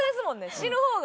死ぬ方が。